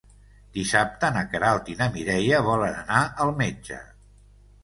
Dissabte na Queralt i na Mireia volen anar al metge.